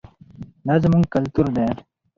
دا زموږ کلتور دی.